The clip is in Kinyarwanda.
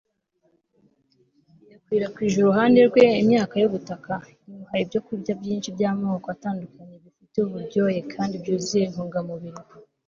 yakwirakwije iruhande rwe imyaka y'ubutaka, imuha ibyokurya byinshi by'amoko atandukanye bifite uburyohe kandi byuzuye intungamubiri